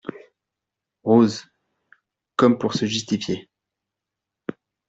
Rose , comme pour se justifier.